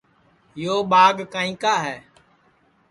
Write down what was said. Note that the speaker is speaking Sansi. یو ٻاگ کائیں کا ہے